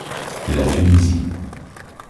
La Tunisie.